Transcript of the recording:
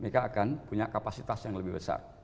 mereka akan punya kapasitas yang lebih besar